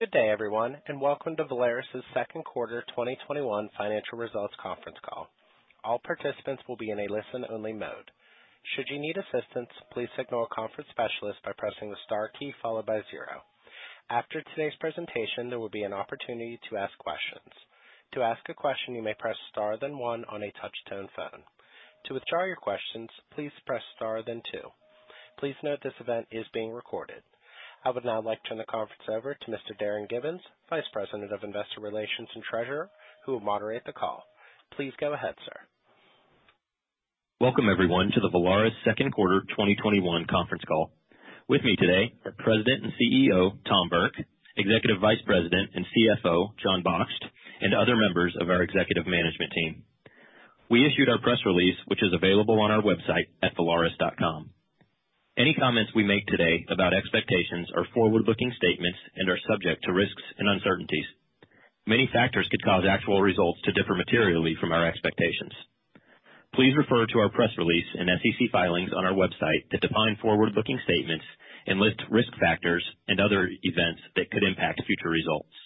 Good day, everyone, and welcome to Valaris' second quarter 2021 financial results conference call. All participants will be in a listen-only mode. Should you need assistance, please signal a conference specialist by pressing the star key followed by zero. After today's presentation, there will be an opportunity to ask questions. To ask a question, you may press star then one on a touch-tone phone. To withdraw your questions, please press star then two. Please note, this event is being recorded. I would now like to turn the conference over to Mr. Darin Gibbins, Vice President of Investor Relations and Treasurer, who will moderate the call. Please go ahead, sir. Welcome, everyone, to the Valaris second quarter 2021 conference call. With me today are President and CEO, Tom Burke, Executive Vice President and CFO, Jon Baksht, and other members of our executive management team. We issued our press release, which is available on our website at valaris.com. Any comments we make today about expectations are forward-looking statements and are subject to risks and uncertainties. Many factors could cause actual results to differ materially from our expectations. Please refer to our press release and SEC filings on our website that define forward-looking statements and list risk factors and other events that could impact future results.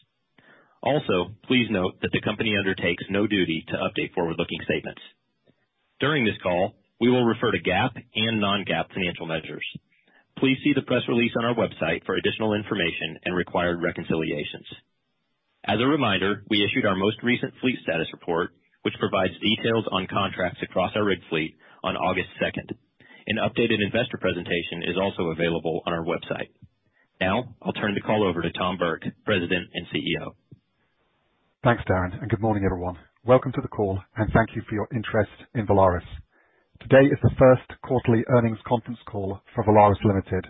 Also, please note that the company undertakes no duty to update forward-looking statements. During this call, we will refer to GAAP and non-GAAP financial measures. Please see the press release on our website for additional information and required reconciliations. As a reminder, we issued our most recent fleet status report, which provides details on contracts across our rig fleet on August 2nd. An updated investor presentation is also available on our website. Now, I'll turn the call over to Tom Burke, President and CEO. Thanks, Darin, and good morning, everyone. Welcome to the call, and thank you for your interest in Valaris. Today is the first quarterly earnings conference call for Valaris Limited.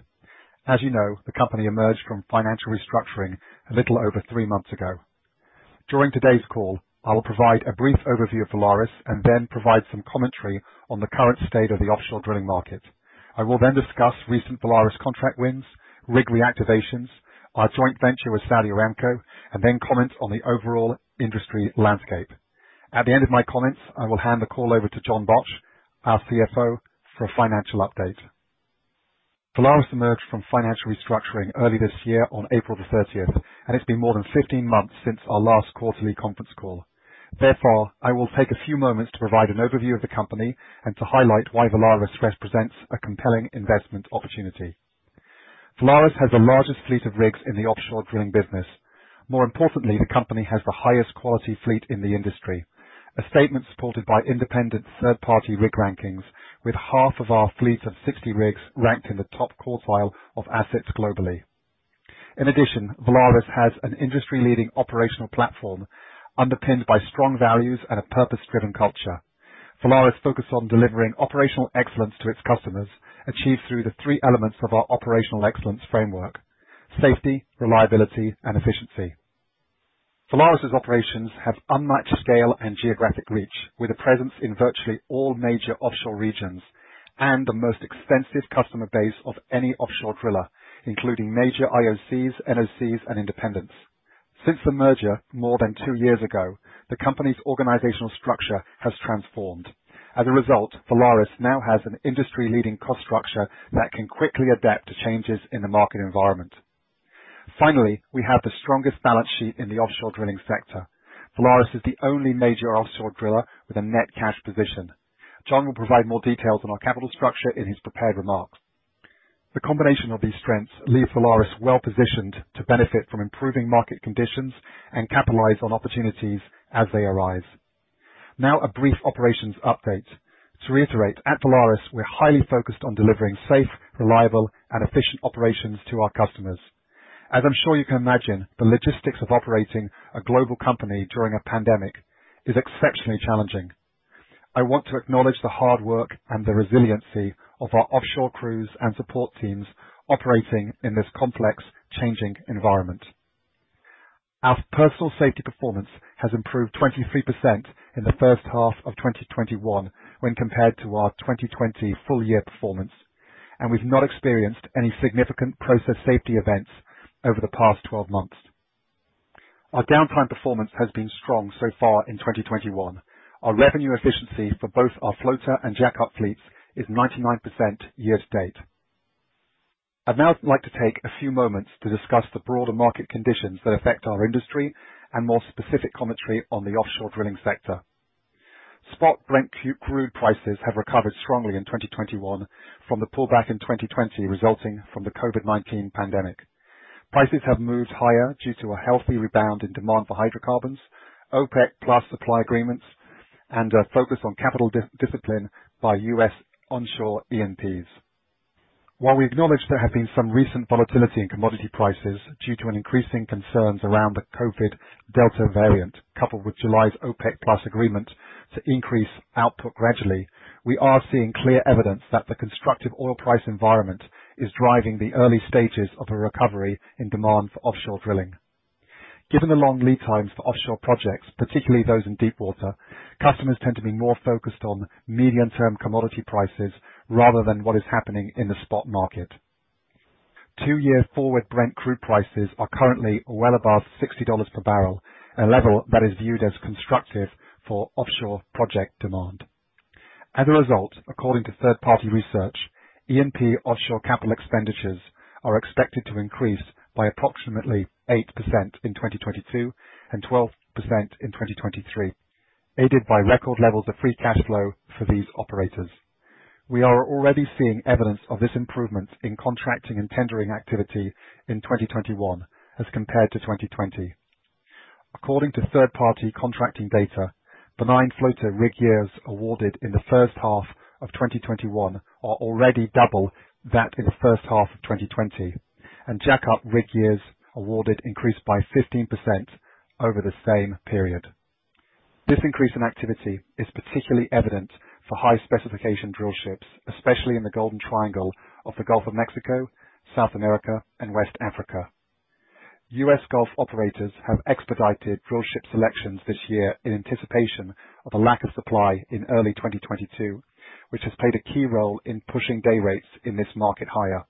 As you know, the company emerged from financial restructuring a little over three months ago. During today's call, I will provide a brief overview of Valaris and then provide some commentary on the current state of the offshore drilling market. I will then discuss recent Valaris contract wins, rig reactivations, our joint venture with Saudi Aramco, and then comment on the overall industry landscape. At the end of my comments, I will hand the call over to Jon Baksht, our CFO, for a financial update. Valaris emerged from financial restructuring early this year on April 30th, and it's been more than 15 months since our last quarterly conference call. Therefore, I will take a few moments to provide an overview of the company and to highlight why Valaris represents a compelling investment opportunity. Valaris has the largest fleet of rigs in the offshore drilling business. More importantly, the company has the highest quality fleet in the industry. A statement supported by independent third-party rig rankings, with half of our fleet of 60 rigs ranked in the top quartile of assets globally. In addition, Valaris has an industry-leading operational platform underpinned by strong values and a purpose-driven culture. Valaris focus on delivering operational excellence to its customers, achieved through the three elements of our operational excellence framework: safety, reliability, and efficiency. Valaris' operations have unmatched scale and geographic reach, with a presence in virtually all major offshore regions and the most extensive customer base of any offshore driller, including major IOCs, NOCs, and independents. Since the merger more than two years ago, the company's organizational structure has transformed. As a result, Valaris now has an industry-leading cost structure that can quickly adapt to changes in the market environment. Finally, we have the strongest balance sheet in the offshore drilling sector. Valaris is the only major offshore driller with a net cash position. Jon will provide more details on our capital structure in his prepared remarks. The combination of these strengths leave Valaris well-positioned to benefit from improving market conditions and capitalize on opportunities as they arise. Now, a brief operations update. To reiterate, at Valaris, we're highly focused on delivering safe, reliable, and efficient operations to our customers. As I'm sure you can imagine, the logistics of operating a global company during a pandemic is exceptionally challenging. I want to acknowledge the hard work and the resiliency of our offshore crews and support teams operating in this complex changing environment. Our personal safety performance has improved 23% in the first half of 2021 when compared to our 2020 full-year performance, and we've not experienced any significant process safety events over the past 12 months. Our downtime performance has been strong so far in 2021. Our revenue efficiency for both our floater and jackup fleets is 99% year-to-date. I'd now like to take a few moments to discuss the broader market conditions that affect our industry and more specific commentary on the offshore drilling sector. Spot Brent crude prices have recovered strongly in 2021 from the pullback in 2020, resulting from the COVID-19 pandemic. Prices have moved higher due to a healthy rebound in demand for hydrocarbons, OPEC+ supply agreements, and a focus on capital discipline by U.S. onshore E&Ps. While we acknowledge there have been some recent volatility in commodity prices due to an increase in concerns around the COVID Delta variant, coupled with July's OPEC+ agreement to increase output gradually, we are seeing clear evidence that the constructive oil price environment is driving the early stages of a recovery in demand for offshore drilling. Given the long lead times for offshore projects, particularly those in deep water, customers tend to be more focused on medium-term commodity prices rather than what is happening in the spot market. Two-year forward, Brent crude prices are currently well above $60 per barrel, a level that is viewed as constructive for offshore project demand. As a result, according to third-party research, E&P offshore capital expenditures are expected to increase by approximately 8% in 2022 and 12% in 2023, aided by record levels of free cash flow for these operators. We are already seeing evidence of this improvement in contracting and tendering activity in 2021 as compared to 2020. According to third-party contracting data, the nine floater rig years awarded in the first half of 2021 are already double that in the first half of 2020, and jackup rig years awarded increased by 15% over the same period. This increase in activity is particularly evident for high-specification drillships, especially in the Golden Triangle of the Gulf of Mexico, South America, and West Africa. U.S. Gulf operators have expedited drillship selections this year in anticipation of a lack of supply in early 2022, which has played a key role in pushing day rates in this market higher.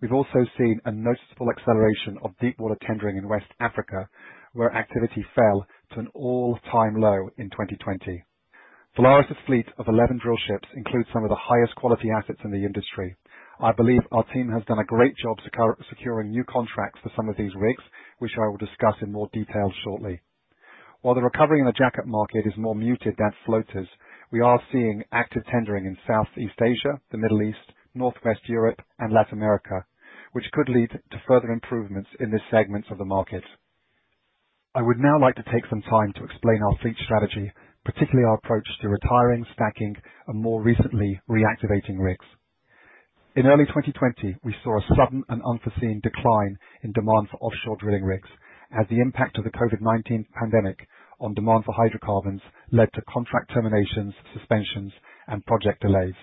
We've also seen a noticeable acceleration of deepwater tendering in West Africa, where activity fell to an all-time low in 2020. Valaris' fleet of 11 drillships includes some of the highest quality assets in the industry. I believe our team has done a great job securing new contracts for some of these rigs, which I will discuss in more detail shortly. While the recovery in the jackup market is more muted than floaters, we are seeing active tendering in Southeast Asia, the Middle East, Northwest Europe, and Latin America, which could lead to further improvements in this segment of the market. I would now like to take some time to explain our fleet strategy, particularly our approach to retiring, stacking, and more recently, reactivating rigs. In early 2020, we saw a sudden and unforeseen decline in demand for offshore drilling rigs as the impact of the COVID-19 pandemic on demand for hydrocarbons led to contract terminations, suspensions, and project delays.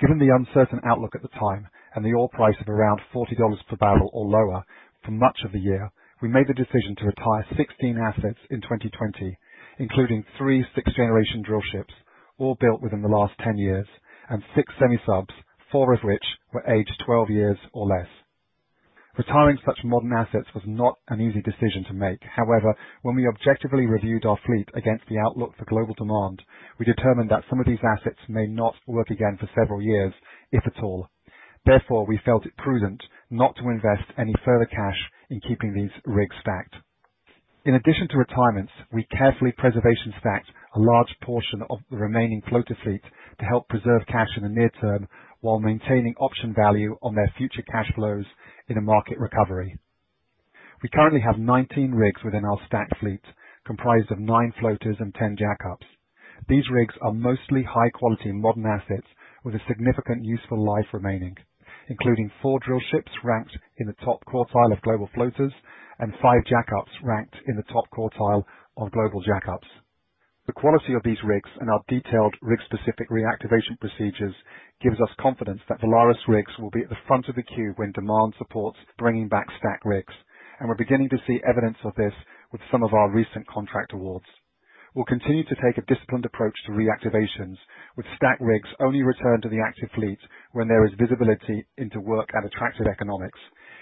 Given the uncertain outlook at the time and the oil price of around $40 per barrel or lower for much of the year, we made the decision to retire 16 assets in 2020, including three 6th-generation drillships, all built within the last 10 years, and six semi-subs, four of which were aged 12 years or less. Retiring such modern assets was not an easy decision to make. However, when we objectively reviewed our fleet against the outlook for global demand, we determined that some of these assets may not work again for several years, if at all. Therefore, we felt it prudent not to invest any further cash in keeping these rigs stacked. In addition to retirements, we carefully preservation-stacked a large portion of the remaining floater fleet to help preserve cash in the near term while maintaining option value on their future cash flows in a market recovery. We currently have 19 rigs within our stacked fleet, comprised of nine floaters and 10 jackups. These rigs are mostly high-quality modern assets with a significant useful life remaining, including four drillships ranked in the top quartile of global floaters and five jackups ranked in the top quartile of global jackups. The quality of these rigs and our detailed rig-specific reactivation procedures gives us confidence that Valaris rigs will be at the front of the queue when demand supports bringing back stacked rigs, and we're beginning to see evidence of this with some of our recent contract awards. We'll continue to take a disciplined approach to reactivations, with stacked rigs only returned to the active fleet when there is visibility into work at attractive economics.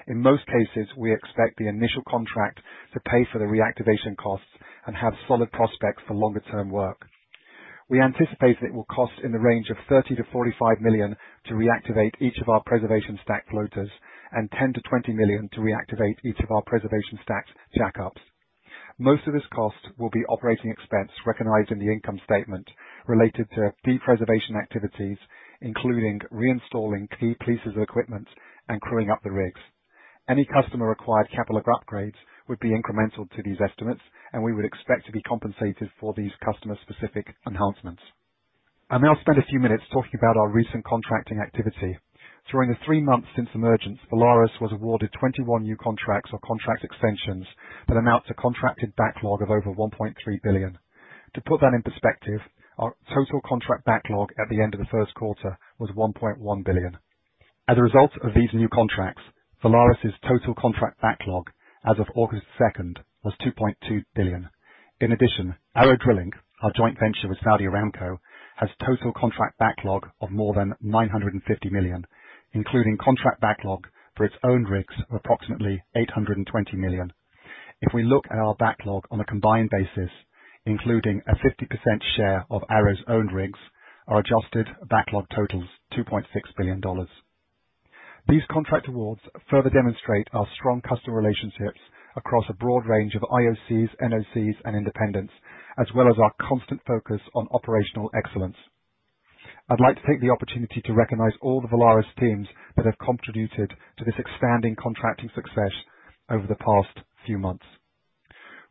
In most cases, we expect the initial contract to pay for the reactivation costs and have solid prospects for longer-term work. We anticipate that it will cost in the range of $30 million-$45 million to reactivate each of our preservation stacked floaters and $10 million-$20 million to reactivate each of our preservation stacked jackups. Most of this cost will be operating expense recognized in the income statement related to de-preservation activities, including reinstalling key pieces of equipment and crewing up the rigs. Any customer-required capital upgrades would be incremental to these estimates, and we would expect to be compensated for these customer-specific enhancements. I'll now spend a few minutes talking about our recent contracting activity. During the three months since emergence, Valaris was awarded 21 new contracts or contract extensions that amount to contracted backlog of over $1.3 billion. To put that in perspective, our total contract backlog at the end of the first quarter was $1.1 billion. As a result of these new contracts, Valaris' total contract backlog as of August 2nd was $2.2 billion. In addition, ARO Drilling, our joint venture with Saudi Aramco, has total contract backlog of more than $950 million, including contract backlog for its owned rigs of approximately $820 million. If we look at our backlog on a combined basis, including a 50% share of ARO's owned rigs, our adjusted backlog totals $2.6 billion. These contract awards further demonstrate our strong customer relationships across a broad range of IOCs, NOCs, and independents, as well as our constant focus on operational excellence. I'd like to take the opportunity to recognize all the Valaris teams that have contributed to this expanding contracting success over the past few months.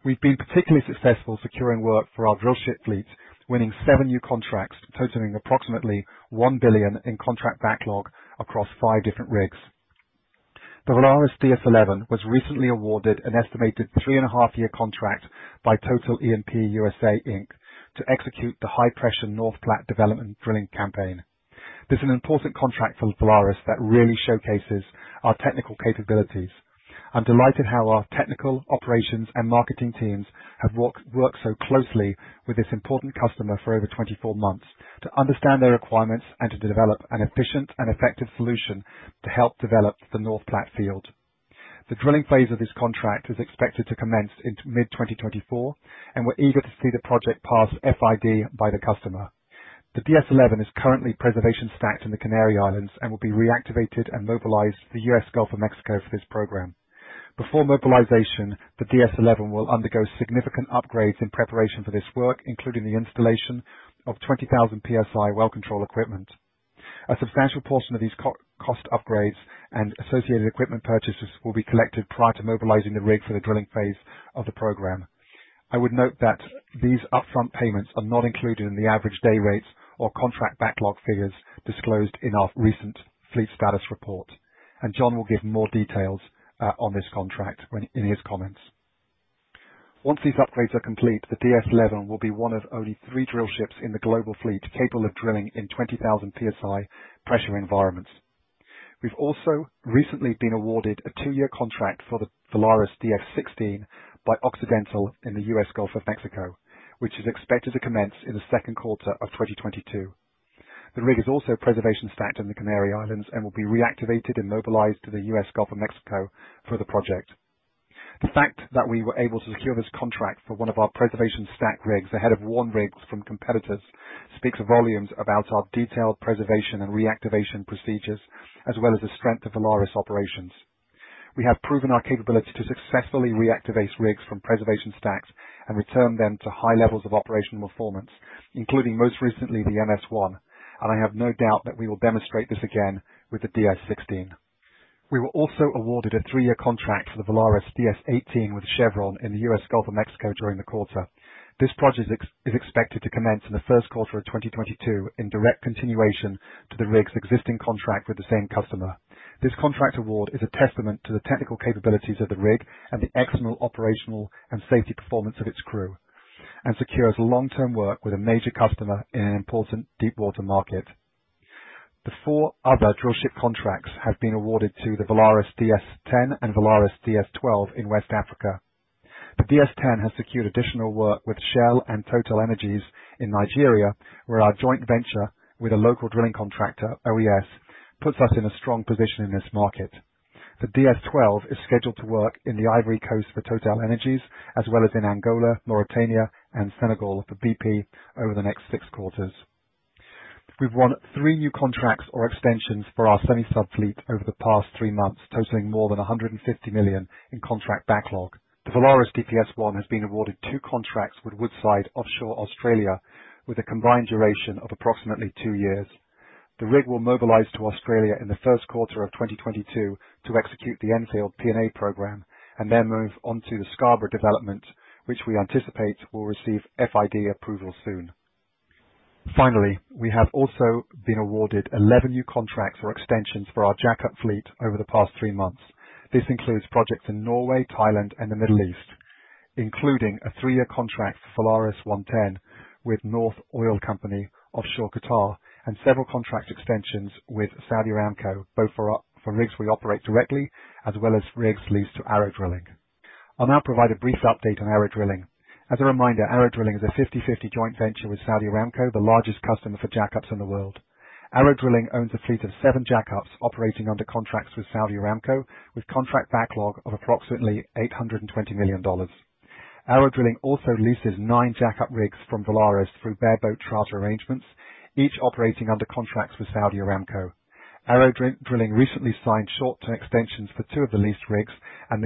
We've been particularly successful securing work for our drillship fleet, winning seven new contracts totaling approximately $1 billion in contract backlog across five different rigs. The VALARIS DS-11 was recently awarded an estimated three-and-a-half-year contract by Total E&P USA, Inc to execute the high-pressure North Platte development drilling campaign. This is an important contract for Valaris that really showcases our technical capabilities. I'm delighted how our technical, operations, and marketing teams have worked so closely with this important customer for over 24 months to understand their requirements and to develop an efficient and effective solution to help develop the North Platte field. The drilling phase of this contract is expected to commence in mid-2024, and we're eager to see the project pass FID by the customer. The DS-11 is currently preservation-stacked in the Canary Islands and will be reactivated and mobilized for U.S. Gulf of Mexico for this program. Before mobilization, the DS-11 will undergo significant upgrades in preparation for this work, including the installation of 20,000 psi well control equipment. A substantial portion of these cost upgrades and associated equipment purchases will be collected prior to mobilizing the rig for the drilling phase of the program. I would note that these upfront payments are not included in the average day rates or contract backlog figures disclosed in our recent fleet status report. Jon will give more details on this contract in his comments. Once these upgrades are complete, the DS-11 will be one of only three drill ships in the global fleet capable of drilling in 20,000 psi pressure environments. We've also recently been awarded a two-year contract for the VALARIS DS-16 by Occidental in the U.S. Gulf of Mexico, which is expected to commence in the second quarter of 2022. The rig is also preservation-stacked in the Canary Islands and will be reactivated and mobilized to the U.S. Gulf of Mexico for the project. The fact that we were able to secure this contract for one of our preservation-stacked rigs ahead of warm rigs from competitors speaks volumes about our detailed preservation and reactivation procedures, as well as the strength of Valaris operations. We have proven our capability to successfully reactivate rigs from preservation stacks and return them to high levels of operational performance, including, most recently, the VALARIS MS-1, and I have no doubt that we will demonstrate this again with the VALARIS DS-16. We were also awarded a three-year contract for the VALARIS DS-18 with Chevron in the U.S. Gulf of Mexico during the quarter. This project is expected to commence in the first quarter of 2022 in direct continuation to the rig's existing contract with the same customer. This contract award is a testament to the technical capabilities of the rig and the excellent operational and safety performance of its crew and secures long-term work with a major customer in an important deepwater market. The four other drillship contracts have been awarded to the VALARIS DS-10 and VALARIS DS-12 in West Africa. The VALARIS DS-10 has secured additional work with Shell and TotalEnergies in Nigeria, where our joint venture with a local drilling contractor, OES, puts us in a strong position in this market. The VALARIS DS-12 is scheduled to work in the Ivory Coast for TotalEnergies, as well as in Angola, Mauritania, and Senegal for BP over the next six quarters. We've won three new contracts or extensions for our semi-sub fleet over the past three months, totaling more than $150 million in contract backlog. The VALARIS DPS-1 has been awarded two contracts with Woodside offshore Australia with a combined duration of approximately two years. The rig will mobilize to Australia in the first quarter of 2022 to execute the Enfield P&A program and then move on to the Scarborough development, which we anticipate will receive FID approval soon. Finally, we have also been awarded 11 new contracts or extensions for our jackup fleet over the past three months. This includes projects in Norway, Thailand, and the Middle East, including a three-year contract for VALARIS 110 with North Oil Company offshore Qatar and several contract extensions with Saudi Aramco, both for rigs we operate directly as well as rigs leased to ARO Drilling. I will now provide a brief update on ARO Drilling. As a reminder, ARO Drilling is a 50/50 joint venture with Saudi Aramco, the largest customer for jackups in the world. ARO Drilling owns a fleet of seven jackups operating under contracts with Saudi Aramco, with contract backlog of approximately $820 million. ARO Drilling also leases nine jackup rigs from Valaris through bareboat charter arrangements, each operating under contracts with Saudi Aramco. ARO Drilling recently signed short-term extensions for two of the leased rigs, and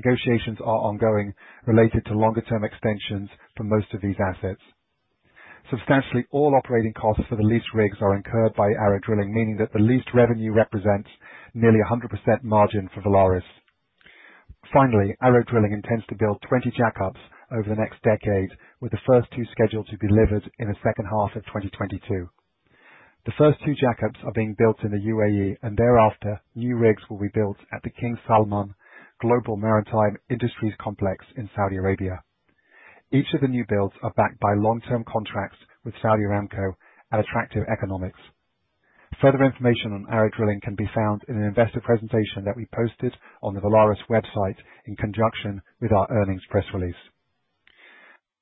negotiations are ongoing related to longer-term extensions for most of these assets. Substantially, all operating costs for the leased rigs are incurred by ARO Drilling, meaning that the leased revenue represents nearly 100% margin for Valaris. Finally, ARO Drilling intends to build 20 jackups over the next decade, with the first two scheduled to be delivered in the second half of 2022. The first two jackups are being built in the U.A.E., and thereafter, new rigs will be built at the King Salman Global Maritime Industries Complex in Saudi Arabia. Each of the new builds are backed by long-term contracts with Saudi Aramco at attractive economics. Further information on ARO Drilling can be found in an investor presentation that we posted on the Valaris website in conjunction with our earnings press release.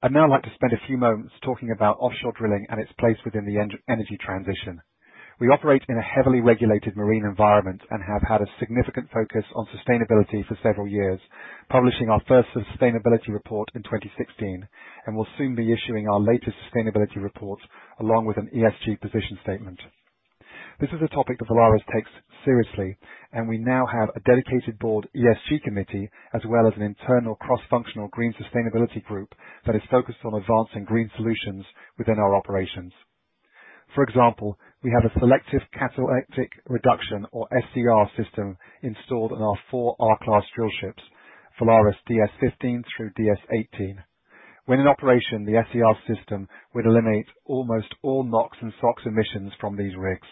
I'd now like to spend a few moments talking about offshore drilling and its place within the energy transition. We operate in a heavily regulated marine environment and have had a significant focus on sustainability for several years, publishing our first sustainability report in 2016, and will soon be issuing our latest sustainability report, along with an ESG position statement. This is a topic that Valaris takes seriously. We now have a dedicated board ESG committee as well as an internal cross-functional green sustainability group that is focused on advancing green solutions within our operations. For example, we have a selective catalytic reduction, or SCR, system installed on our four R-Class drillships, VALARIS DS-15 through DS-18. When in operation, the SCR system would eliminate almost all NOx and SOx emissions from these rigs.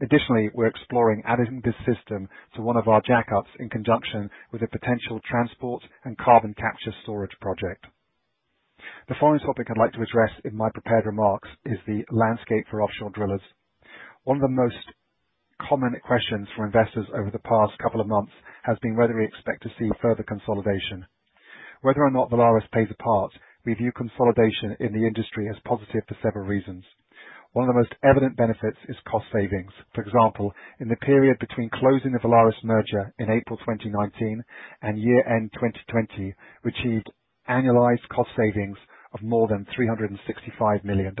Additionally, we're exploring adding this system to one of our jackups in conjunction with a potential transport and carbon capture and storage project. The following topic I'd like to address in my prepared remarks is the landscape for offshore drillers. One of the most common questions from investors over the past couple of months has been whether we expect to see further consolidation. Whether or not Valaris plays a part, we view consolidation in the industry as positive for several reasons. One of the most evident benefits is cost savings. For example, in the period between closing the Valaris merger in April 2019 and year-end 2020, we achieved annualized cost savings of more than $365 million.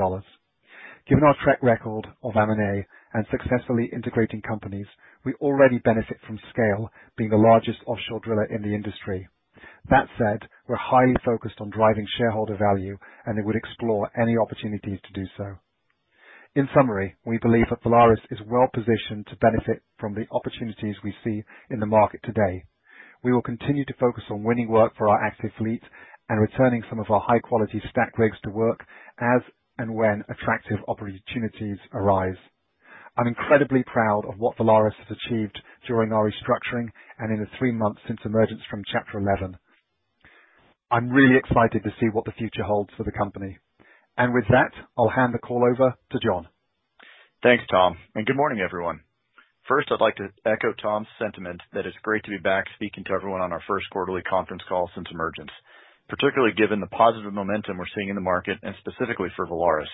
Given our track record of M&A and successfully integrating companies, we already benefit from scale, being the largest offshore driller in the industry. That said, we're highly focused on driving shareholder value, and they would explore any opportunities to do so. In summary, we believe that Valaris is well-positioned to benefit from the opportunities we see in the market today. We will continue to focus on winning work for our active fleet and returning some of our high-quality stacked rigs to work as and when attractive opportunities arise. I'm incredibly proud of what Valaris has achieved during our restructuring and in the three months since emergence from Chapter 11. I'm really excited to see what the future holds for the company. With that, I'll hand the call over to Jon. Thanks, Tom, and good morning, everyone. First, I'd like to echo Tom's sentiment that it's great to be back speaking to everyone on our first quarterly conference call since emergence, particularly given the positive momentum we're seeing in the market and specifically for Valaris.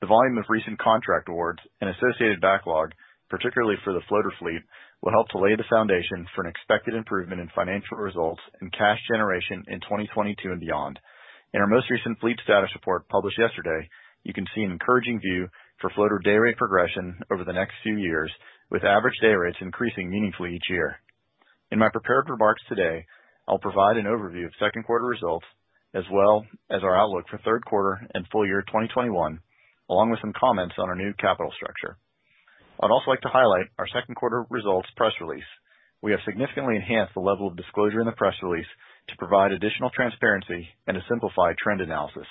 The volume of recent contract awards and associated backlog, particularly for the floater fleet, will help to lay the foundation for an expected improvement in financial results and cash generation in 2022 and beyond. In our most recent fleet status report published yesterday, you can see an encouraging view for floater day rate progression over the next few years, with average day rates increasing meaningfully each year. In my prepared remarks today, I'll provide an overview of second-quarter results as well as our outlook for third quarter and full year 2021, along with some comments on our new capital structure. I'd also like to highlight our second-quarter results press release. We have significantly enhanced the level of disclosure in the press release to provide additional transparency and to simplify trend analysis.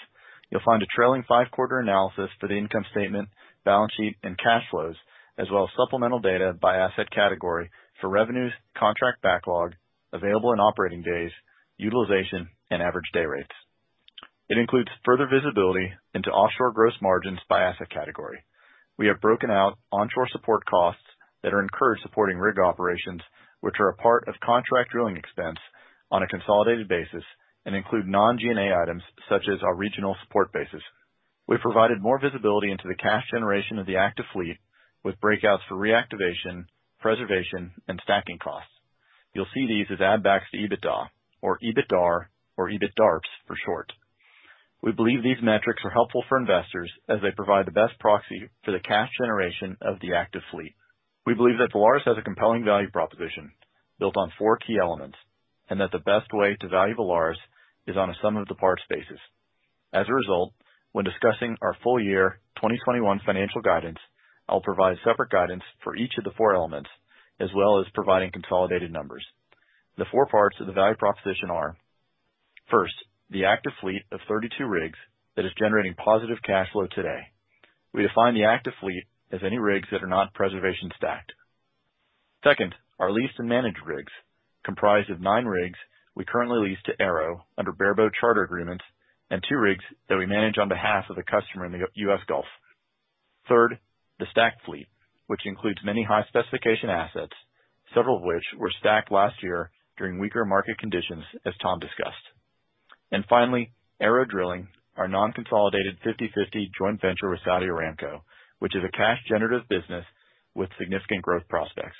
You'll find a trailing five-quarter analysis for the income statement, balance sheet, and cash flows, as well as supplemental data by asset category for revenues, contract backlog available in operating days, utilization, and average day rates. It includes further visibility into offshore gross margins by asset category. We have broken out onshore support costs that are incurred supporting rig operations, which are a part of contract drilling expense on a consolidated basis and include non-G&A items such as our regional support bases. We've provided more visibility into the cash generation of the active fleet with breakouts for reactivation, preservation, and stacking costs. You'll see these as add-backs to EBITDA or EBITDAR or EBITDARPS for short. We believe these metrics are helpful for investors as they provide the best proxy for the cash generation of the active fleet. We believe that Valaris has a compelling value proposition built on four key elements, and that the best way to value Valaris is on a sum-of-the-parts basis. As a result, when discussing our full-year 2021 financial guidance, I'll provide separate guidance for each of the four elements, as well as providing consolidated numbers. The four parts of the value proposition are, first, the active fleet of 32 rigs that is generating positive cash flow today. We define the active fleet as any rigs that are not preservation-stacked. Second, our leased and managed rigs, comprised of nine rigs we currently lease to ARO Drilling under bareboat charter agreements and two rigs that we manage on behalf of a customer in the U.S. Gulf. Third, the stacked fleet, which includes many high-specification assets, several of which were stacked last year during weaker market conditions, as Tom discussed. Finally, ARO Drilling, our non-consolidated 50/50 joint venture with Saudi Aramco, which is a cash-generative business with significant growth prospects.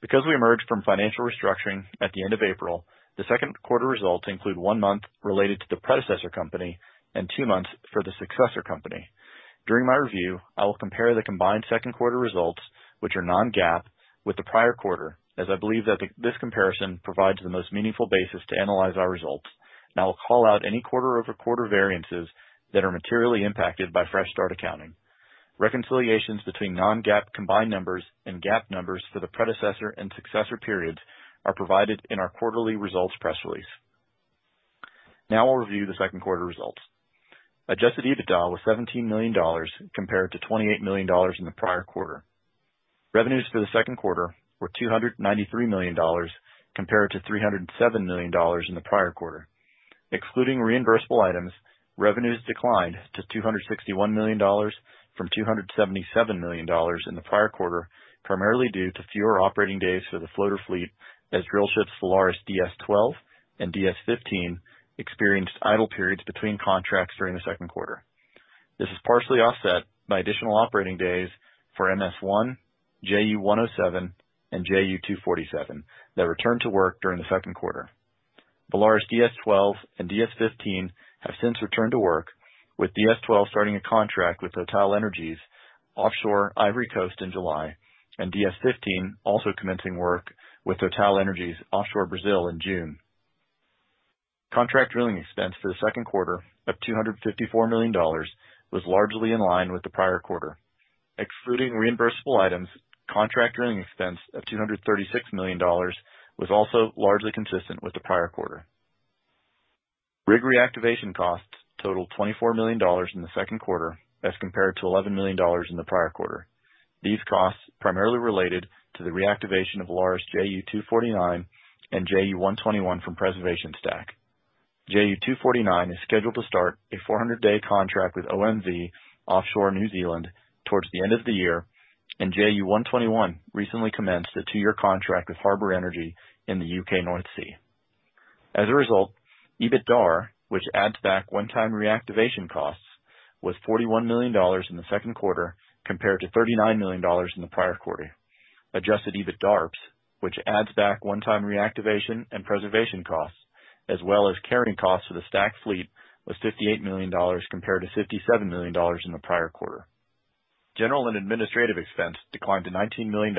Because we emerged from financial restructuring at the end of April, the second quarter results include one month related to the predecessor company and two months for the successor company. During my review, I will compare the combined second quarter results, which are non-GAAP, with the prior quarter, as I believe that this comparison provides the most meaningful basis to analyze our results, and I will call out any quarter-over-quarter variances that are materially impacted by fresh start accounting. Reconciliations between non-GAAP combined numbers and GAAP numbers for the predecessor and successor periods are provided in our quarterly results press release. I'll review the second quarter results. Adjusted EBITDA was $17 million compared to $28 million in the prior quarter. Revenues for the second quarter were $293 million compared to $307 million in the prior quarter. Excluding reimbursable items, revenues declined to $261 million from $277 million in the prior quarter, primarily due to fewer operating days for the floater fleet, as drillships VALARIS DS-12 and DS-15 experienced idle periods between contracts during the second quarter. This is partially offset by additional operating days for MS-1, JU-107, and JU-247 that returned to work during the second quarter. VALARIS DS-12 and DS-15 have since returned to work, with DS-12 starting a contract with TotalEnergies offshore Ivory Coast in July, and DS-15 also commencing work with TotalEnergies offshore Brazil in June. Contract drilling expense for the second quarter of $254 million was largely in line with the prior quarter. Excluding reimbursable items, contract drilling expense of $236 million was also largely consistent with the prior quarter. Rig reactivation costs totaled $24 million in the second quarter as compared to $11 million in the prior quarter. These costs primarily related to the reactivation of VALARIS JU-249 and JU-121 from preservation stack. JU-249 is scheduled to start a 400-day contract with OMV offshore New Zealand towards the end of the year, and JU-121 recently commenced a two-year contract with Harbour Energy in the U.K. North Sea. As a result, EBITDAR, which adds back one-time reactivation costs, was $41 million in the second quarter compared to $39 million in the prior quarter. Adjusted EBITDARP, which adds back one-time reactivation and preservation costs, as well as carrying costs for the stacked fleet, was $58 million compared to $57 million in the prior quarter. General and administrative expense declined to $19 million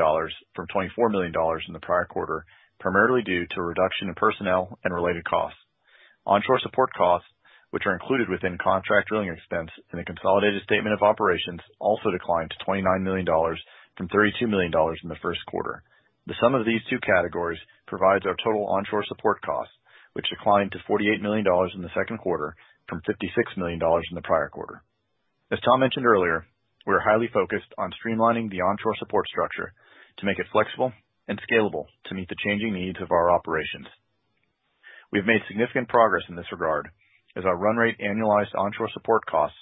from $24 million in the prior quarter, primarily due to a reduction in personnel and related costs. Onshore support costs, which are included within contract drilling expense in the consolidated statement of operations, also declined to $29 million from $32 million in the first quarter. The sum of these two categories provides our total onshore support cost, which declined to $48 million in the second quarter from $56 million in the prior quarter. As Tom mentioned earlier, we are highly focused on streamlining the onshore support structure to make it flexible and scalable to meet the changing needs of our operations. We've made significant progress in this regard, as our run-rate annualized onshore support costs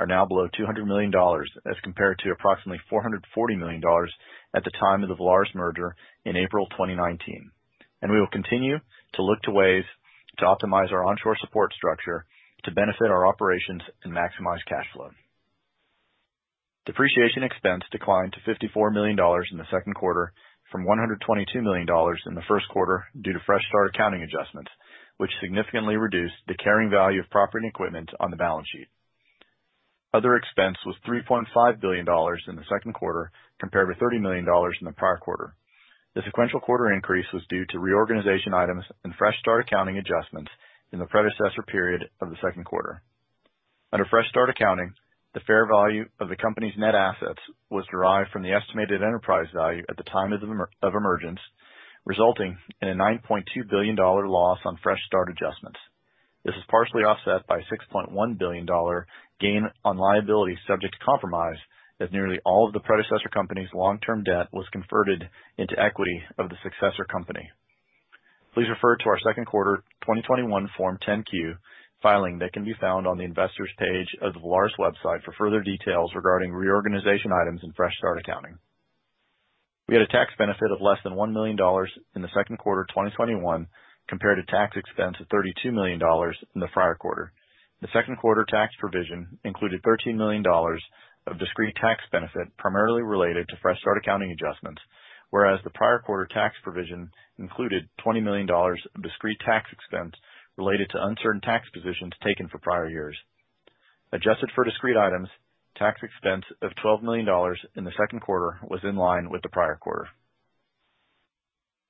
are now below $200 million as compared to approximately $440 million at the time of the Valaris merger in April 2019. We will continue to look to ways to optimize our onshore support structure to benefit our operations and maximize cash flow. Depreciation expense declined to $54 million in the second quarter from $122 million in the first quarter due to fresh start accounting adjustments, which significantly reduced the carrying value of property and equipment on the balance sheet. Other expense was $3.5 billion in the second quarter, compared with $30 million in the prior quarter. The sequential quarter increase was due to reorganization items and fresh start accounting adjustments in the predecessor period of the second quarter. Under fresh start accounting, the fair value of the company's net assets was derived from the estimated enterprise value at the time of emergence, resulting in a $9.2 billion loss on fresh start adjustments. This is partially offset by a $6.1 billion gain on liabilities subject to compromise, as nearly all of the predecessor company's long-term debt was converted into equity of the successor company. Please refer to our second quarter 2021 Form 10-Q filing that can be found on the investors page of Valaris website for further details regarding reorganization items and fresh start accounting. We had a tax benefit of less than $1 million in the second quarter 2021 compared to tax expense of $32 million in the prior quarter. The second quarter tax provision included $13 million of discrete tax benefit primarily related to fresh start accounting adjustments, whereas the prior quarter tax provision included $20 million of discrete tax expense related to uncertain tax positions taken for prior years. Adjusted for discrete items, tax expense of $12 million in the second quarter was in line with the prior quarter.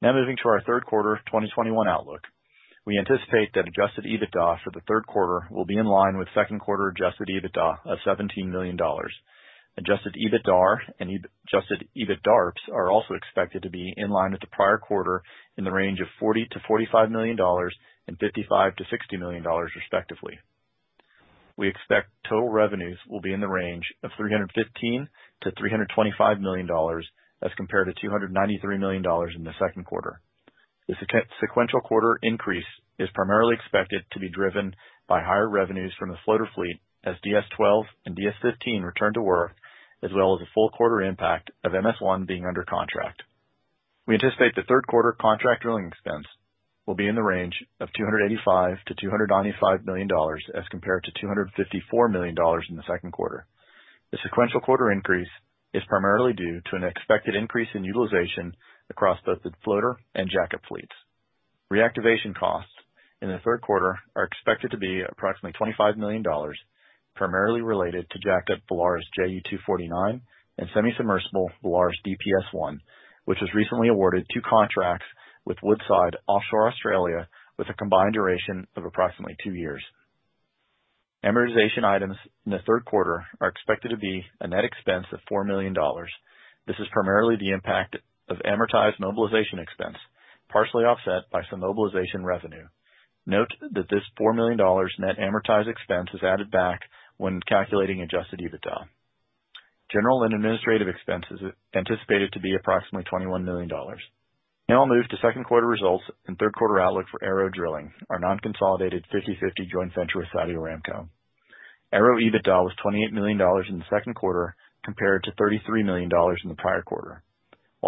Moving to our third quarter 2021 outlook. We anticipate that adjusted EBITDA for the third quarter will be in line with second quarter adjusted EBITDA of $17 million. Adjusted EBITDAR and adjusted EBITDARPS are also expected to be in line with the prior quarter in the range of $40 million-$45 million and $55 million-$60 million, respectively. We expect total revenues will be in the range of $315 million-$325 million as compared to $293 million in the second quarter. The sequential quarter increase is primarily expected to be driven by higher revenues from the floater fleet as VALARIS DS-12 and VALARIS DS-15 return to work, as well as the full quarter impact of VALARIS MS-1 being under contract. We anticipate the third quarter contract drilling expense will be in the range of $285 million-$295 million as compared to $254 million in the second quarter. The sequential quarter increase is primarily due to an expected increase in utilization across both the floater and jackup fleets. Reactivation costs in the third quarter are expected to be approximately $25 million, primarily related to jackup VALARIS JU-249 and semi-submersible VALARIS DPS-1, which was recently awarded two contracts with Woodside Offshore Australia with a combined duration of approximately two years. Amortization items in the third quarter are expected to be a net expense of $4 million. This is primarily the impact of amortized mobilization expense, partially offset by some mobilization revenue. Note that this $4 million net amortized expense is added back when calculating adjusted EBITDA. General and administrative expense is anticipated to be approximately $21 million. Now I'll move to second quarter results and third quarter outlook for ARO Drilling, our non-consolidated 50/50 joint venture with Saudi Aramco. ARO EBITDA was $28 million in the second quarter compared to $33 million in the prior quarter.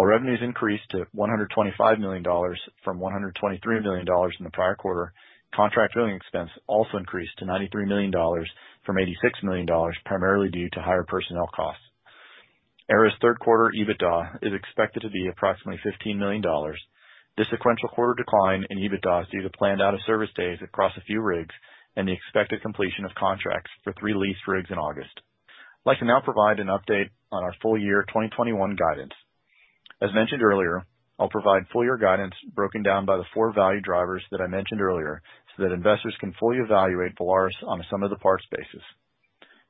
Revenues increased to $125 million from $123 million in the prior quarter, contract drilling expense also increased to $93 million from $86 million, primarily due to higher personnel costs. ARO's third quarter EBITDA is expected to be approximately $15 million. This sequential quarter decline in EBITDA is due to planned out-of-service days across a few rigs and the expected completion of contracts for three leased rigs in August. I'd like to now provide an update on our full-year 2021 guidance. As mentioned earlier, I'll provide full-year guidance broken down by the four value drivers that I mentioned earlier, so that investors can fully evaluate Valaris on a sum-of-the-parts basis.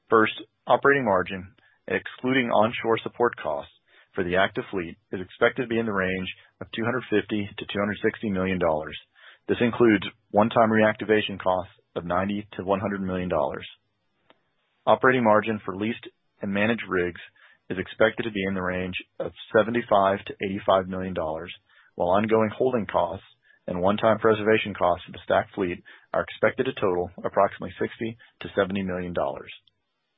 First, operating margin, excluding onshore support costs for the active fleet, is expected to be in the range of $250 million-$260 million. This includes one-time reactivation costs of $90 million-$100 million. Operating margin for leased and managed rigs is expected to be in the range of $75 million-$85 million, while ongoing holding costs and one-time preservation costs of the stacked fleet are expected to total approximately $60 million-$70 million.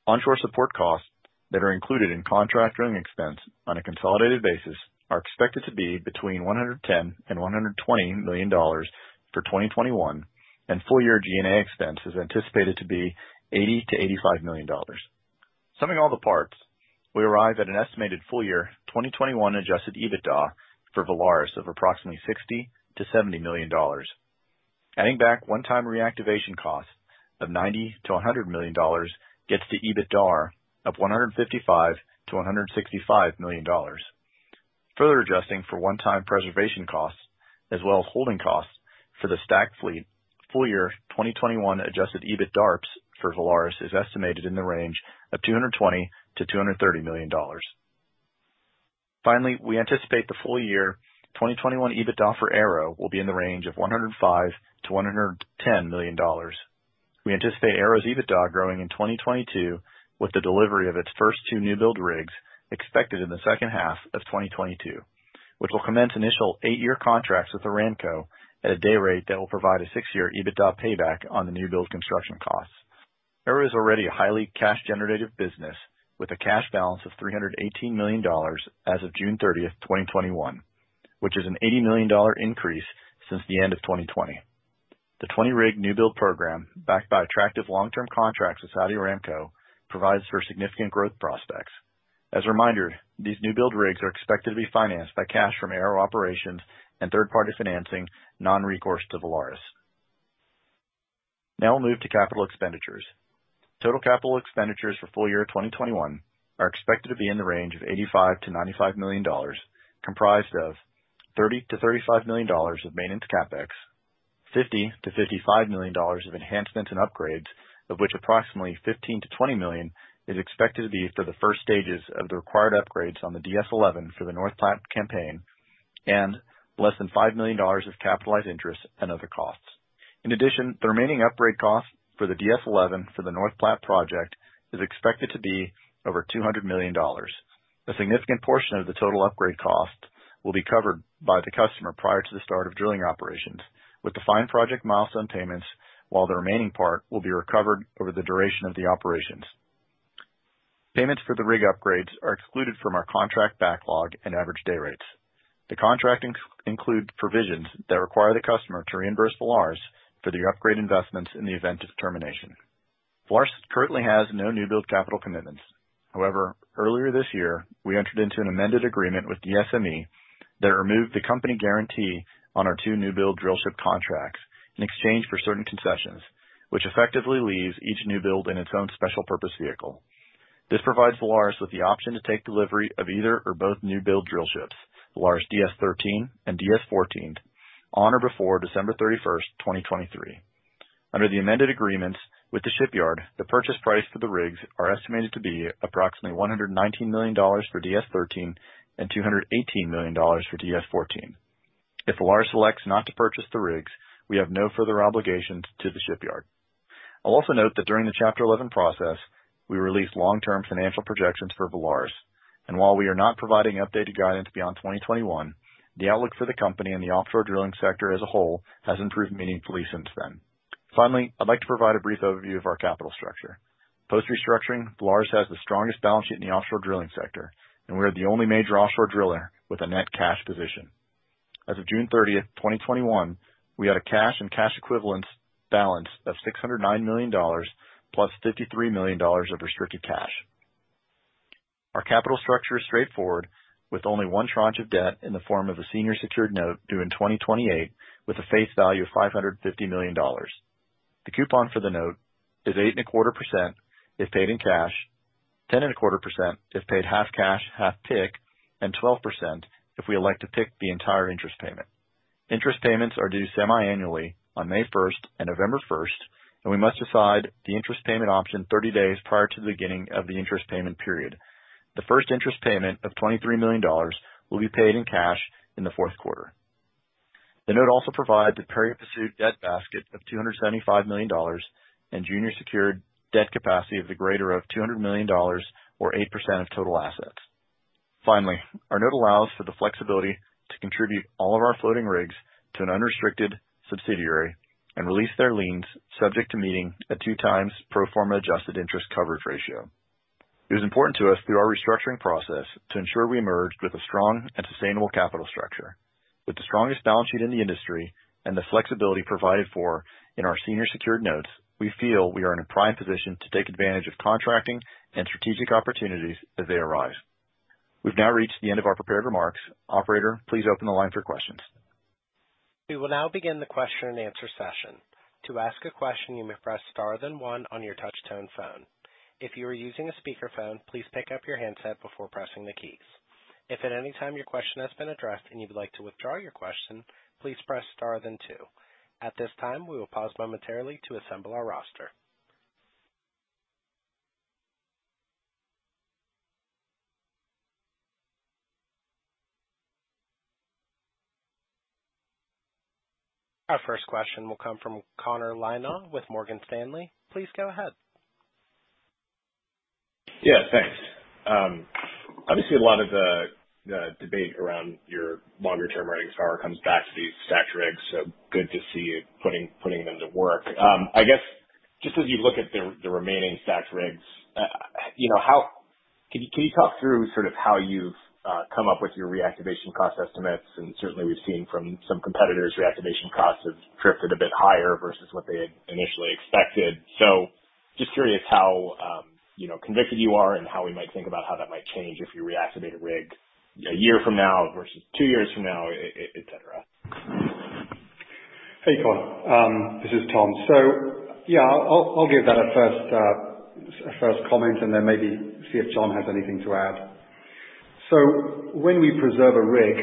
Onshore support costs that are included in contract drilling expense on a consolidated basis are expected to be between $110 million and $120 million for 2021, and full-year G&A expense is anticipated to be $80 million-$85 million. Summing all the parts, we arrive at an estimated full-year 2021 adjusted EBITDA for Valaris of approximately $60 million-$70 million. Adding back one-time reactivation costs of $90 million-$100 million gets to EBITDAR of $155 million-$165 million. Further adjusting for one-time preservation costs as well as holding costs for the stacked fleet, full-year 2021 adjusted EBITDARP for Valaris is estimated in the range of $220 million-$230 million. Finally, we anticipate the full-year 2021 EBITDA for ARO will be in the range of $105 million-$110 million. We anticipate ARO's EBITDA growing in 2022 with the delivery of its first two new-build rigs expected in the second half of 2022, which will commence initial eight-year contracts with Aramco at a day rate that will provide a six-year EBITDA payback on the new-build construction costs. ARO is already a highly cash-generative business with a cash balance of $318 million as of June 30th, 2021, which is an $80 million increase since the end of 2020. The 20-rig new-build program, backed by attractive long-term contracts with Saudi Aramco, provides for significant growth prospects. As a reminder, these new-build rigs are expected to be financed by cash from ARO operations and third-party financing non-recourse to Valaris. I'll move to capital expenditures. Total capital expenditures for full-year 2021 are expected to be in the range of $85 million-$95 million, comprised of $30 million-$35 million of maintenance CapEx, $50 million-$55 million of enhancements and upgrades, of which approximately $15 million-$20 million is expected to be for the first stages of the required upgrades on the VALARIS DS-11 for the North Platte campaign, and less than $5 million of capitalized interest and other costs. The remaining upgrade cost for the VALARIS DS-11 for the North Platte project is expected to be over $200 million. A significant portion of the total upgrade cost will be covered by the customer prior to the start of drilling operations, with defined project milestone payments, while the remaining part will be recovered over the duration of the operations. Payments for the rig upgrades are excluded from our contract backlog and average day rates. The contract includes provisions that require the customer to reimburse Valaris for the upgrade investments in the event of termination. Valaris currently has no newbuild capital commitments. However, earlier this year, we entered into an amended agreement with DSME that removed the company guarantee on our two newbuild drillship contracts in exchange for certain concessions, which effectively leaves each new build in its own special-purpose vehicle. This provides Valaris with the option to take delivery of either or both newbuild drillships, VALARIS DS-13 and DS-14, on or before December 31st, 2023. Under the amended agreements with the shipyard, the purchase price for the rigs are estimated to be approximately $119 million for DS-13 and $218 million for DS-14. If Valaris selects not to purchase the rigs, we have no further obligations to the shipyard. I'll also note that during the Chapter 11 process, we released long-term financial projections for Valaris, and while we are not providing updated guidance beyond 2021, the outlook for the company and the offshore drilling sector as a whole has improved meaningfully since then. Finally, I'd like to provide a brief overview of our capital structure. Post-restructuring, Valaris has the strongest balance sheet in the offshore drilling sector, and we are the only major offshore driller with a net cash position. As of June 30th, 2021, we had a cash and cash equivalents balance of $609 million, plus $53 million of restricted cash. Our capital structure is straightforward, with only one tranche of debt in the form of a senior secured note due in 2028 with a face value of $550 million. The coupon for the note is 8.25% if paid in cash, 10.25% if paid half cash, half PIK, and 12% if we elect to PIK the entire interest payment. Interest payments are due semiannually on May 1st and November 1st, and we must decide the interest payment option 30 days prior to the beginning of the interest payment period. The first interest payment of $23 million will be paid in cash in the fourth quarter. The note also provides a pari passu debt basket of $275 million and junior secured debt capacity of the greater of $200 million or 8% of total assets. Finally, our note allows for the flexibility to contribute all of our floating rigs to an unrestricted subsidiary and release their liens subject to meeting a two-times pro forma adjusted interest coverage ratio. It was important to us through our restructuring process to ensure we emerged with a strong and sustainable capital structure. With the strongest balance sheet in the industry and the flexibility provided for in our senior secured notes, we feel we are in a prime position to take advantage of contracting and strategic opportunities as they arise. We've now reached the end of our prepared remarks. Operator, please open the line for questions. We will now begin the question and answer session. To ask a question, you may press star then one on your touch-tone phone. If you are using a speakerphone, please pick up your handset before pressing the keys. If at any time your question has been addressed and you would like to withdraw your question, please press star then two. At this time, we will pause momentarily to assemble our roster. Our first question will come from Connor Lynagh with Morgan Stanley. Please go ahead. Yeah, thanks. Obviously, a lot of the debate around your longer-term earnings power comes back to these stacked rigs, so good to see you putting them to work. I guess, just as you look at the remaining stacked rigs, can you talk through how you've come up with your reactivation cost estimates? Certainly, we've seen from some competitors, reactivation costs have drifted a bit higher versus what they had initially expected. Just curious how convicted you are and how we might think about how that might change if you reactivate a rig a year from now versus two years from now, et cetera. Hey, Connor. This is Tom. Yeah, I'll give that a first comment and then maybe see if Jon has anything to add. When we preserve a rig,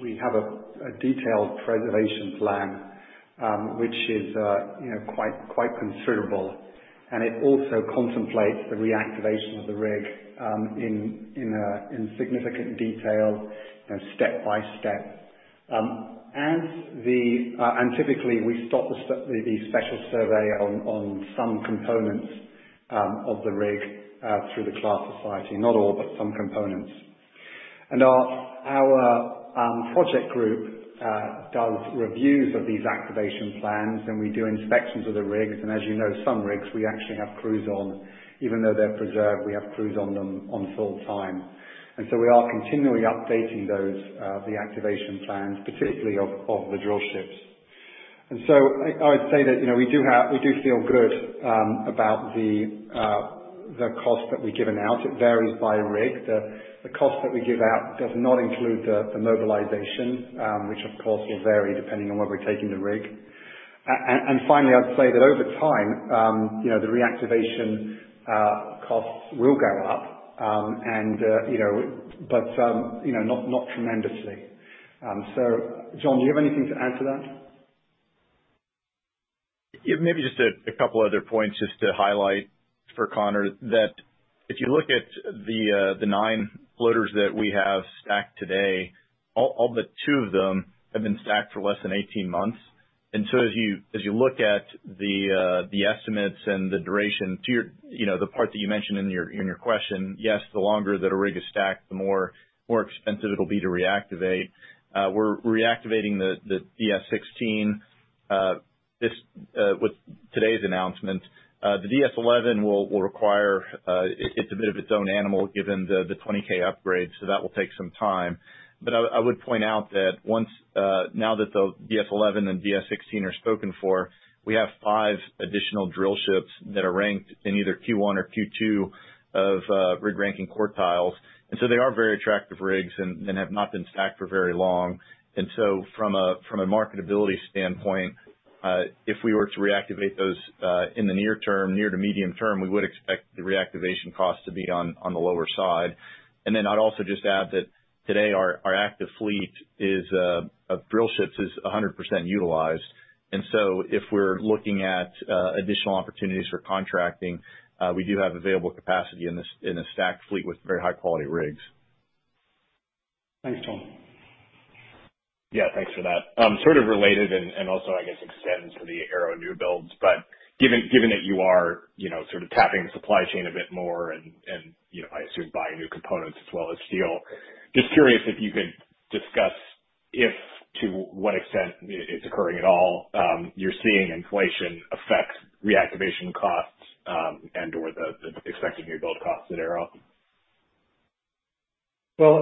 we have a detailed preservation plan, which is quite considerable. It also contemplates the reactivation of the rig in significant detail, step by step. Typically, we stop the special survey on some components of the rig through the Classification Society. Not all, but some components. Our project group does reviews of these activation plans, and we do inspections of the rigs. As you know, some rigs, we actually have crews on. Even though they're preserved, we have crews on them full time. We are continually updating those, the activation plans, particularly of the drillships. I would say that, we do feel good about the cost that we've given out. It varies by rig. The cost that we give out does not include the mobilization, which, of course, will vary depending on where we're taking the rig. And finally, I'd say that over time, the reactivation costs will go up, but not tremendously. Jon, do you have anything to add to that? Maybe just a couple other points just to highlight for Connor, that if you look at the nine floaters that we have stacked today, all but two of them have been stacked for less than 18 months. As you look at the estimates and the duration to the part that you mentioned in your question, yes, the longer that a rig is stacked, the more expensive it'll be to reactivate. We're reactivating the VALARIS DS-16 with today's announcement. The VALARIS DS-11 will require, it's a bit of its own animal given the 20K upgrade, that will take some time. I would point out that now that the VALARIS DS-11 and VALARIS DS-16 are spoken for, we have five additional drillships that are ranked in either Q1 or Q2 of rig ranking quartiles. They are very attractive rigs and have not been stacked for very long. From a marketability standpoint, if we were to reactivate those in the near term, near to medium term, we would expect the reactivation cost to be on the lower side. Then I'd also just add that today our active fleet of drillships is 100% utilized. If we're looking at additional opportunities for contracting, we do have available capacity in a stacked fleet with very high-quality rigs. Thanks, Jon. Thanks for that. Sort of related and also I guess extends to the ARO new builds, but given that you are sort of tapping the supply chain a bit more and, I assume buying new components as well as steel, just curious if you could discuss if to what extent it's occurring at all, you're seeing inflation affect reactivation costs, and/or the expected new build costs at ARO. Well,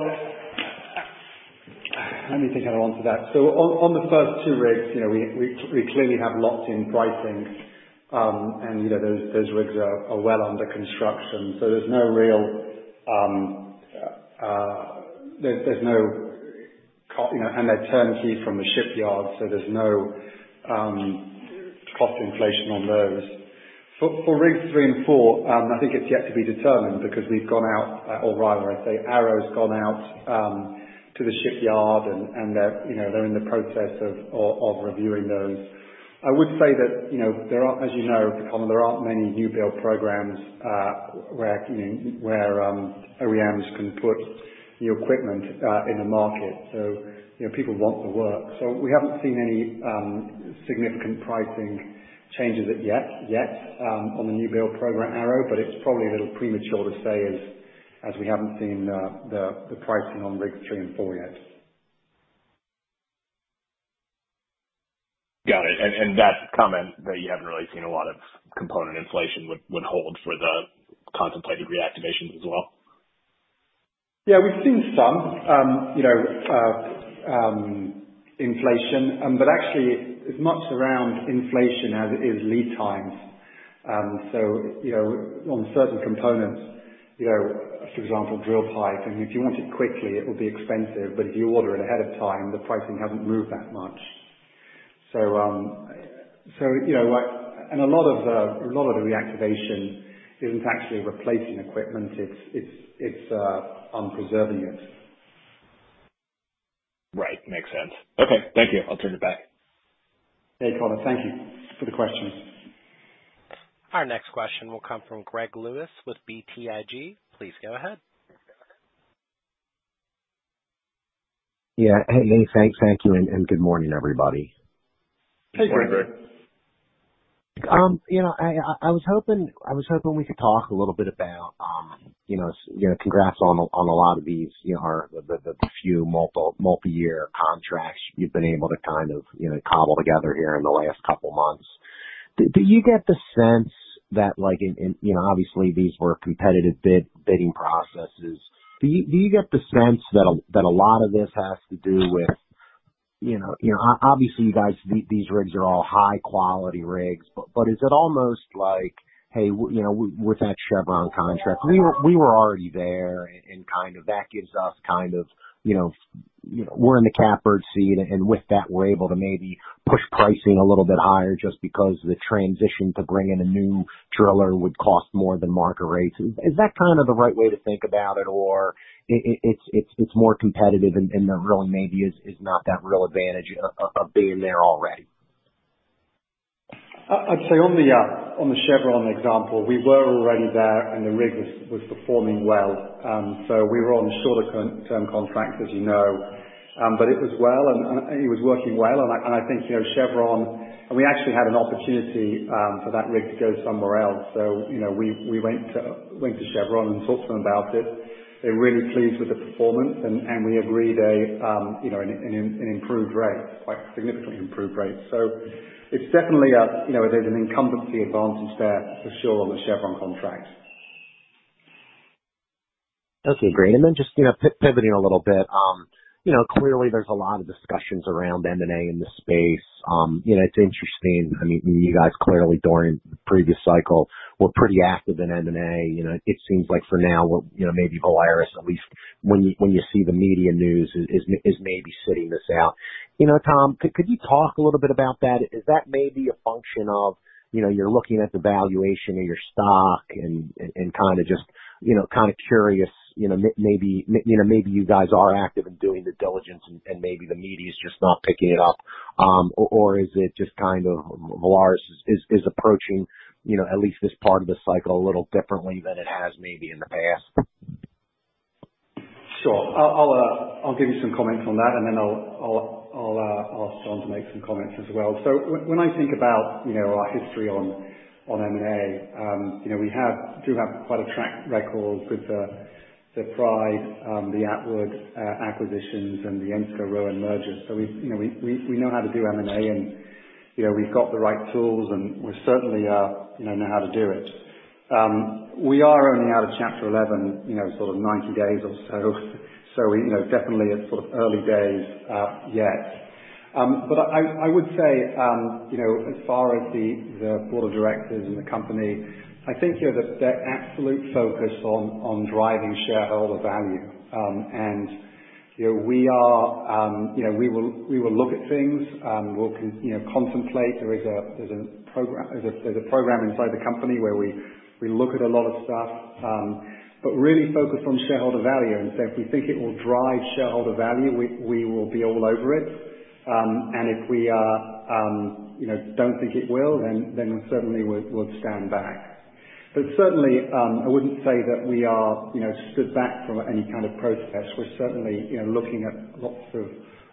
let me take that one too. On the first two rigs, we clearly have locked-in pricing. Those rigs are well under construction, and they're turnkey from the shipyard, so there's no cost inflation on those. For rigs three and four, I think it's yet to be determined because we've gone out, or rather, I'd say ARO Drilling's gone out, to the shipyard and they're in the process of reviewing those. I would say that, as you know, Connor, there aren't many new build programs, where OEMs can put new equipment in the market. People want the work. We haven't seen any significant pricing changes yet on the new build program ARO Drilling, but it's probably a little premature to say as we haven't seen the pricing on rigs three and four yet. Got it. That comment that you haven't really seen a lot of component inflation would hold for the contemplated reactivations as well? Yeah, we've seen some inflation, actually as much around inflation as it is lead times. On certain components, for example, drill pipe, if you want it quickly, it will be expensive, if you order it ahead of time, the pricing hasn't moved that much. A lot of the reactivation isn't actually replacing equipment, it's on preserving it. Right. Makes sense. Okay. Thank you. I'll turn it back. Hey, Connor, thank you for the question. Our next question will come from Gregory Lewis with BTIG. Please go ahead. Yeah. Hey. Thank you. Good morning, everybody. Hey, Greg. Morning, Greg. I was hoping we could talk a little bit about- congrats on a lot of these, the few multi-year contracts you've been able to kind of cobble together here in the last couple of months. Do you get the sense that, obviously, these were competitive bidding processes? Do you get the sense that a lot of this has to do with obviously, these rigs are all high-quality rigs. Is it almost like, hey, with that Chevron contract, we were already there and that gives us kind of, we're in the catbird seat, and with that, we're able to maybe push pricing a little bit higher just because the transition to bring in a new driller would cost more than market rates. Is that kind of the right way to think about it? It's more competitive and there really maybe is not that real advantage of being there already? I'd say on the Chevron example, we were already there, and the rig was performing well. We were on a shorter-term contract, as you know. It was well, and it was working well, and I think we actually had an opportunity for that rig to go somewhere else. We went to Chevron and talked to them about it. They're really pleased with the performance, and we agreed an improved rate, quite significantly improved rate. It's definitely an incumbency advantage there for sure on the Chevron contract. Okay, great. Then just pivoting a little bit. Clearly, there's a lot of discussions around M&A in this space. It's interesting. You guys clearly, during the previous cycle, were pretty active in M&A. It seems like for now, maybe Valaris, at least when you see the media news, is maybe sitting this out. Tom, could you talk a little bit about that? Is that maybe a function of you're looking at the valuation of your stock and kind of curious, maybe you guys are active in doing the diligence, and maybe the media is just not picking it up. Is it just kind of Valaris is approaching at least this part of the cycle a little differently than it has maybe in the past? Sure. I'll give you some comments on that, and then I'll ask Jon to make some comments as well. When I think about our history on M&A, we do have quite a track record with the Pride, the Atwood acquisitions, and the Ensco Rowan merger. We know how to do M&A, and we've got the right tools, and we certainly know how to do it. We are only out of Chapter 11 sort of 90 days or so. Definitely it's sort of early days yet. I would say, as far as the board of directors and the company, I think there's the absolute focus on driving shareholder value. We will look at things. We'll contemplate. There's a program inside the company where we look at a lot of stuff, but really focus on shareholder value. If we think it will drive shareholder value, we will be all over it. If we don't think it will, then certainly we'll stand back. Certainly, I wouldn't say that we are stood back from any kind of process. We're certainly looking at lots of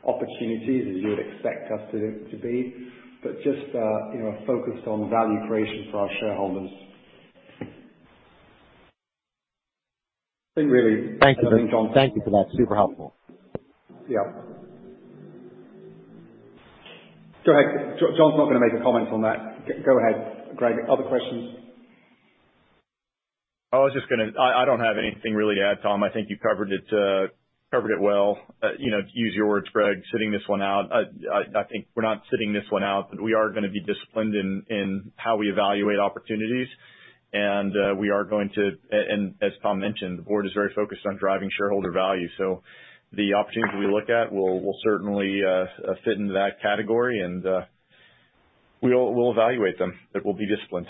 opportunities as you would expect us to be. Just focused on value creation for our shareholders. Thank you for that. Super helpful. Yeah. Go ahead. Jon's not going to make a comment on that. Go ahead, Greg. Other questions? I don't have anything really to add, Tom. I think you covered it well. To use your words, Greg, sitting this one out, I think we're not sitting this one out, but we are going to be disciplined in how we evaluate opportunities. As Tom mentioned, the board is very focused on driving shareholder value. The opportunities we look at will certainly fit into that category, and we'll evaluate them, but we'll be disciplined.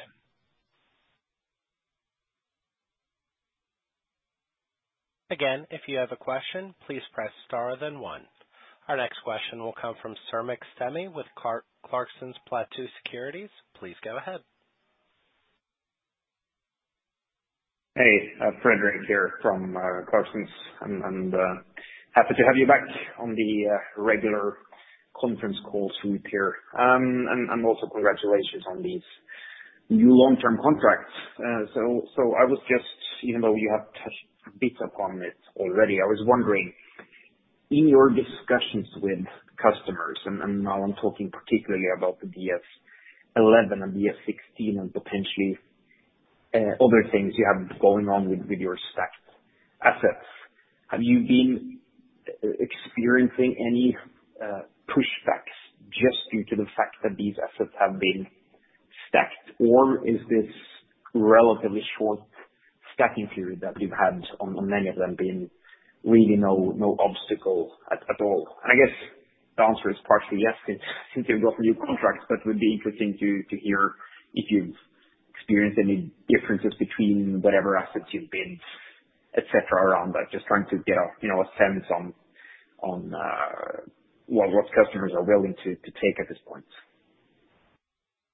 Again, if you have a question, please press star then one. Our next question will come from Fredrik Stene with Clarksons Platou Securities. Please go ahead. Hey. Fredrik here from Clarksons. I'm happy to have you back on the regular conference call sweep here. Congratulations on these new long-term contracts. Even though you have touched a bit upon it already, I was wondering, in your discussions with customers, and now I'm talking particularly about the VALARIS DS-11 and VALARIS DS-16 and potentially other things you have going on with your stacked assets. Have you been experiencing any pushbacks due to the fact that these assets have been stacked? Is this relatively short stacking period that you've had on many of them been really no obstacle at all? I guess the answer is partially yes, since you've got new contracts, but it would be interesting to hear if you've experienced any differences between whatever assets you've bid, et cetera, around that. Just trying to get a sense on what customers are willing to take at this point.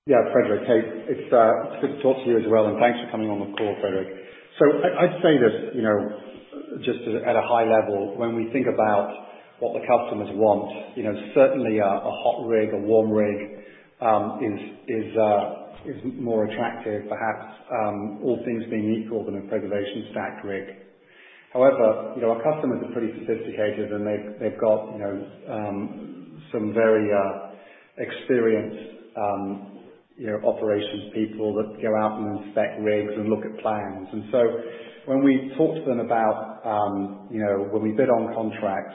Yeah, Fredrik, hey, it's good to talk to you as well, and thanks for coming on the call, Fredrik. I'd say that, just at a high level, when we think about what the customers want, certainly a hot rig, a warm rig, is more attractive, perhaps, all things being equal, than a preservation stacked rig. However, our customers are pretty sophisticated, and they've got some very experienced operations people that go out and inspect rigs and look at plans. When we talk to them about when we bid on contracts,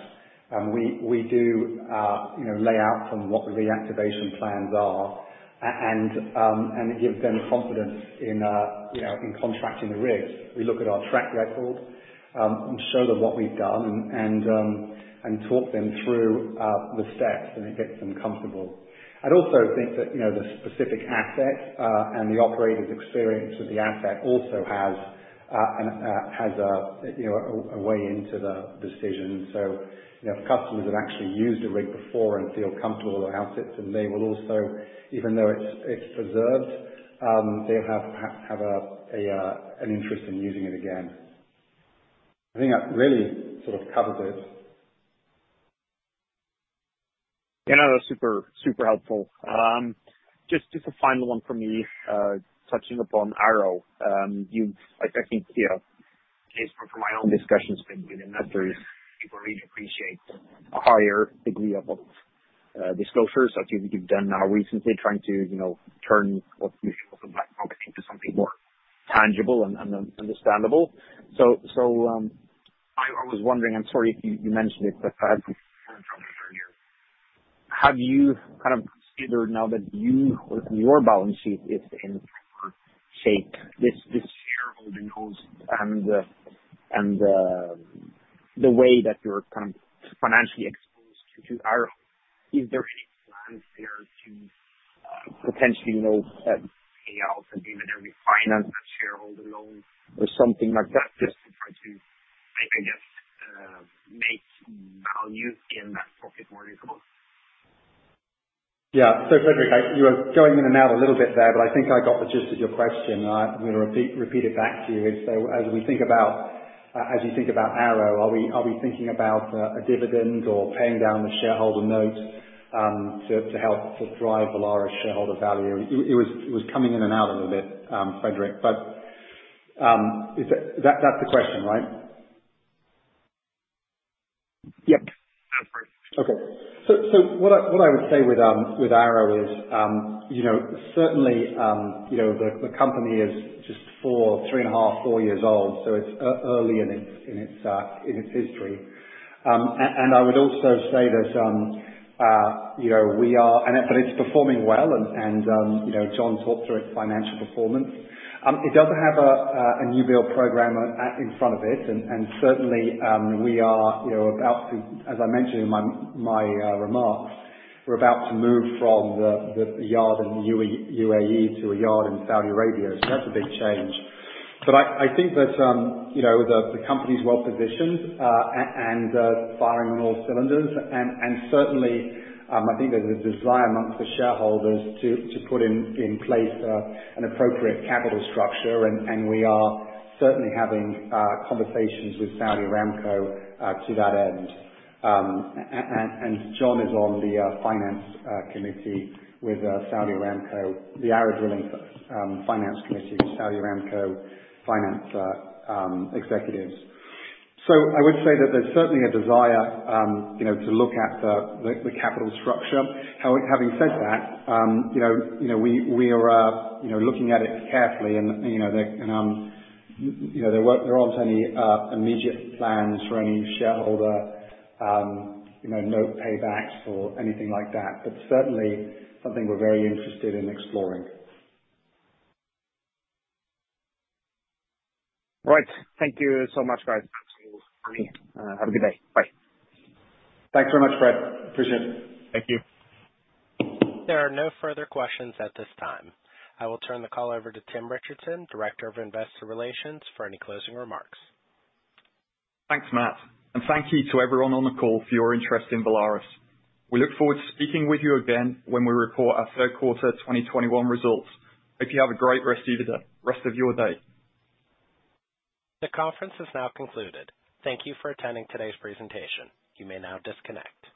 and we do lay out for them what the reactivation plans are, and it gives them confidence in contracting the rigs. We look at our track record, show them what we've done, and talk them through the steps, and it gets them comfortable. I'd also think that the specific asset and the operator's experience with the asset also has a way into the decision. If customers have actually used a rig before and feel comfortable with how it sits, then they will also, even though it's preserved, they have an interest in using it again. I think that really sort of covers it. Yeah, no, super helpful. Just a final one from me, touching upon ARO. I think based from my own discussions with investors, people really appreciate a higher degree of disclosures that you've done now recently trying to turn what usually looks like magic into something more tangible and understandable. I was wondering, I'm sorry if you mentioned it, but I had to turn from earlier. Have you kind of considered now that you or your balance sheet is in better shape, this shareholder loans and the way that you're kind of financially exposed to ARO, is there any plans there to potentially pay off maybe the refinance shareholder loan or something like that just to try to, I guess, make value in that pocket more visible? Yeah. Fredrik, you were going in and out a little bit there, but I think I got the gist of your question. I will repeat it back to you. As we think about ARO, are we thinking about a dividend or paying down the shareholder note, to help to drive Valaris shareholder value? It was coming in and out a little bit, Fredrik. That's the question, right? Yep. Okay. What I would say with ARO Drilling is, certainly, the company is just 3.5, four years old, so it's early in its history. I would also say that it's performing well and Jon talked through its financial performance. It doesn't have a new build program in front of it, and certainly, we are about to, as I mentioned in my remarks, we're about to move from the yard in the U.A.E. to a yard in Saudi Arabia, so that's a big change. I think that the company's well-positioned, and firing on all cylinders. Certainly, I think there's a desire amongst the shareholders to put in place an appropriate capital structure and we are certainly having conversations with Saudi Aramco to that end. Jon is on the finance committee with Saudi Aramco, the ARO Drilling finance committee with Saudi Aramco finance executives. I would say that there's certainly a desire to look at the capital structure. Having said that, we are looking at it carefully and there aren't any immediate plans for any shareholder note paybacks or anything like that. Certainly, something we're very interested in exploring. Right. Thank you so much, guys. Have a good day. Bye. Thanks very much, Fred. Appreciate it. Thank you. There are no further questions at this time. I will turn the call over to Tim Richardson, Director of Investor Relations, for any closing remarks. Thanks, Matt. Thank you to everyone on the call for your interest in Valaris. We look forward to speaking with you again when we report our third quarter 2021 results. Hope you have a great rest of your day. The conference has now concluded. Thank you for attending today's presentation. You may now disconnect.